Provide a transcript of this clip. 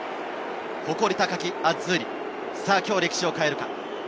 誇り高きアッズーリ、今日、歴史を変えるか？